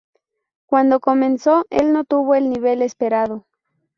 Cuando comenzó el no tuvo el nivel esperado.